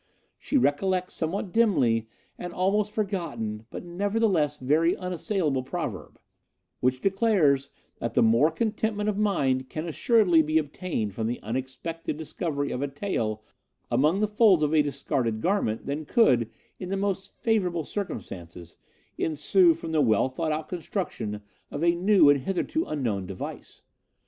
She recollects, somewhat dimly, an almost forgotten, but nevertheless, very unassailable proverb, which declares that more contentment of mind can assuredly be obtained from the unexpected discovery of a tael among the folds of a discarded garment than could, in the most favourable circumstances, ensue from the well thought out construction of a new and hitherto unknown device.